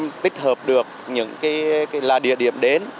để chúng ta tích hợp được những địa điểm